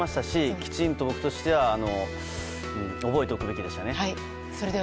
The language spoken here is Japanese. きちんと僕としては覚えておくべきでしたね。